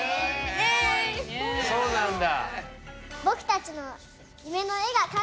そうなんだ。